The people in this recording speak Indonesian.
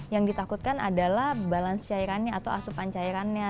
yang ditakutkan adalah balance cairannya atau asupan cairannya